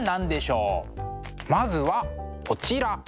まずはこちら！